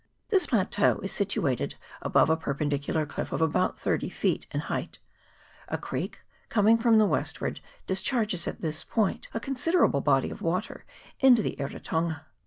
This plateau is situated above a perpendicular cliff of about thirty feet in height. A creek coming from the westward discharges at this point a con siderable body of water into the Eritonga.